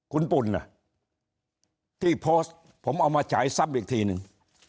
คุณปุ่นที่โพสต์ผมเอามาฉายซ้ำอีกทีหนึ่ง